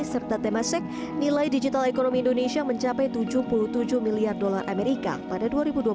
serta temasek nilai digital ekonomi indonesia mencapai tujuh puluh tujuh miliar dolar amerika pada dua ribu dua puluh satu